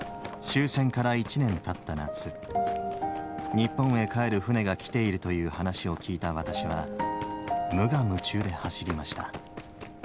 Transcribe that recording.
日本へ帰る船が来ているという話を聞いた私は無我夢中で走りました。